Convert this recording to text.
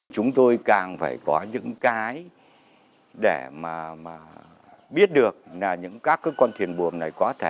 chúng tôi càng phải có những cái để mà biết được là những các con thuyền buồm này có thể